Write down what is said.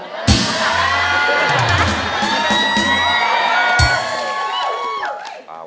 ปลาวาน